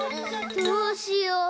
どうしよう。